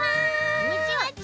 こんにちはち。